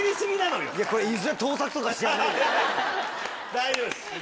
大丈夫です！